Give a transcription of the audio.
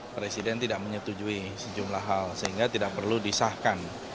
presiden tidak menyetujui sejumlah hal sehingga tidak perlu disahkan